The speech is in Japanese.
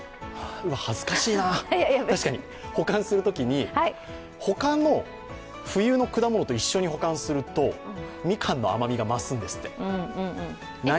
恥ずかしいな保管するときに他の冬の果物と一緒に保管するとみかんの甘みが増すんですって。